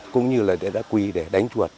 cũng như là để đá quỳ để đánh chuột